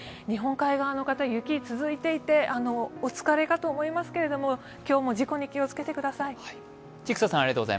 日本海側の方、雪、続いていてお疲れかと思いますけれども今日も事故に気をつけてください。